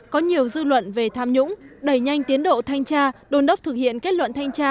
có nhiều dư luận về tham nhũng đẩy nhanh tiến độ thanh tra đồn đốc thực hiện kết luận thanh tra